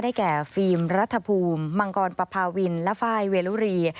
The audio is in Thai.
แก่ฟิล์มรัฐภูมิมังกรปภาวินและไฟล์เวลุรี